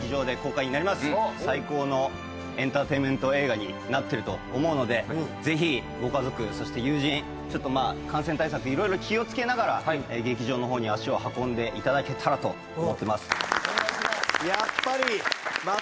最高のエンターテインメント映画になってると思うのでぜひご家族そして友人感染対策色々気を付けながら劇場の方に足を運んでいただけたらと思ってます。